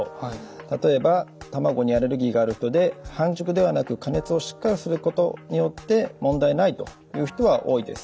例えば卵にアレルギーがある人で半熟ではなく加熱をしっかりすることによって問題ないという人は多いです。